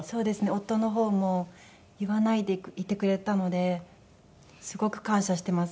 夫の方も言わないでいてくれたのですごく感謝しています